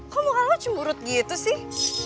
kok muka lo cemurut gitu sih